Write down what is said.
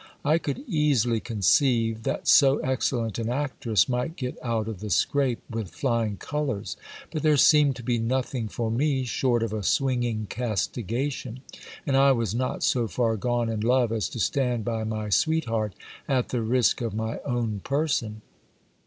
I could easily conceive that so excellent an actress might get out of the scrape with firing colours ; but there seemed to be nothing for me short of a swinging castigation ; and I was not so far gone in love as to stand by my sweetheart at the risk of my own person.